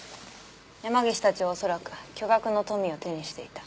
山岸たちは恐らく巨額の富を手にしていた。